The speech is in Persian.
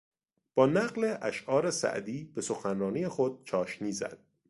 با نقل اشعار سعدی به سخنرانی خود چاشنی زد.